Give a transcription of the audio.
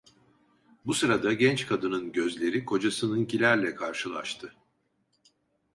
Bu sırada genç kadının gözleri kocasınınkilerle karşılaştı.